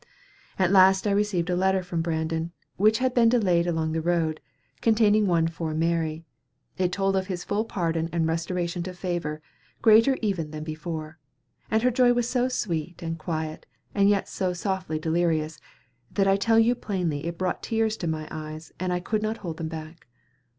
At last I received a letter from Brandon which had been delayed along the road containing one for Mary. It told of his full pardon and restoration to favor, greater even than before; and her joy was so sweet and quiet, and yet so softly delirious, that I tell you plainly it brought tears to my eyes and I could not hold them back.